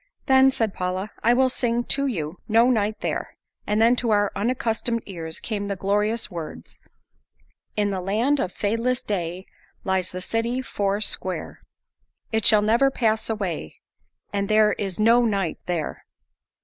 "Then," said Paula, "I will sing to you, 'No Night There.'" And then to our unaccustomed ears came the glorious words: In the land of fadeless day, Lies the city four sqare, It shall never pass away, And there is no night there.